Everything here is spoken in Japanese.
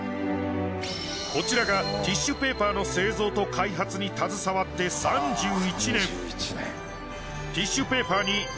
こちらがティッシュペーパーの製造と開発に携わって３１年。